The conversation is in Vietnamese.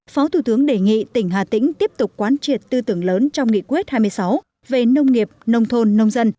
phó thủ tướng đề nghị tỉnh hà tĩnh tiếp tục quán triệt tư tưởng lớn trong nghị quyết hai mươi sáu về nông nghiệp nông thôn nông dân